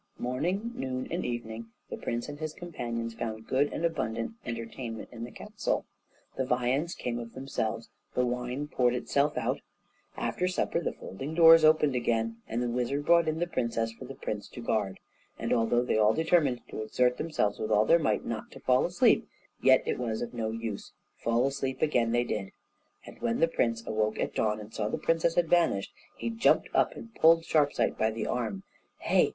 Morning, noon, and evening the prince and his companions found good and abundant entertainment in the castle; the viands came of themselves, the wine poured itself out. After supper the folding doors opened again, and the wizard brought in the princess for the prince to guard. And although they all determined to exert themselves with all their might not to fall asleep, yet it was of no use, fall asleep again they did. And when the prince awoke at dawn and saw the princess had vanished, he jumped up and pulled Sharpsight by the arm, "Hey!